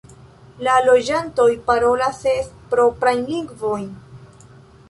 La loĝantoj parolas ses proprajn lingvojn.